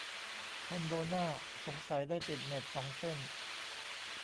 คอนโดหน้าสงสัยได้ติดเน็ตสองเส้น